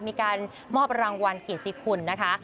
มีการมอบรางวัลกิจกลุ่มนะคะ